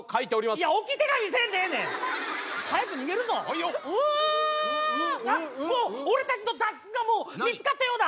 ああもう俺たちの脱出がもう見つかったようだ。